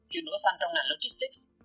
chuyển đổi xanh trong ngành logistics